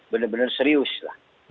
benar benar serius lah